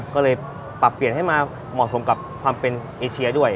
ก็เลยปรับเปลี่ยนให้มาเหมาะสมกับความเป็นเอเชียด้วย